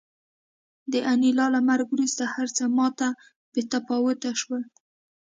د انیلا له مرګ وروسته هرڅه ماته بې تفاوته شول